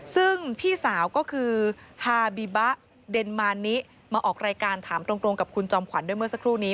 ซึ่งพี่สาวก็คือฮาบิบะเดนมานิมาออกรายการถามตรงกับคุณจอมขวัญด้วยเมื่อสักครู่นี้